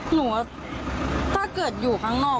หนูว่าถ้าเกิดอยู่ข้างนอก